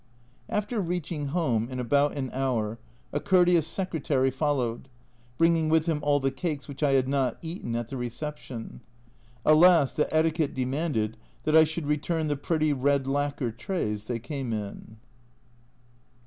After reaching home, in about an hour, a courteous secretary followed, bringing with him all the cakes which I had not eaten at the reception. Alas, that etiquette demanded that I should return the pretty red lacquer trays they came in